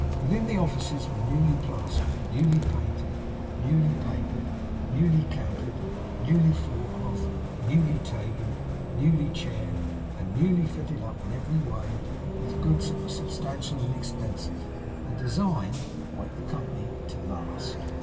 Within, the offices were newly plastered, newly painted, newly papered, newly countered, newly floor clothed, newly tabled, newly chaired, newly fitted up in every way, with goods that were substantial and expensive, and designed (like the company) to last.